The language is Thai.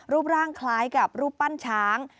รูปร่างคล้ายกับรูปปั้นช้าง